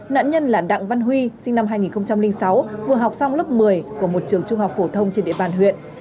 nạn nhân là đặng văn huy sinh năm hai nghìn sáu vừa học xong lớp một mươi của một trường trung học phổ thông trên địa bàn huyện